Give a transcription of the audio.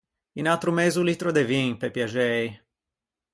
Un atro mezo litro de vin, pe piaxei.